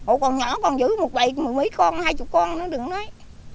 ủa còn nhỏ còn giữ một đầy mấy con hai chục con nữa đừng nói